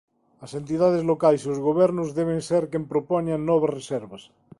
As entidades locais e os gobernos deben ser quen propoñan novas reservas.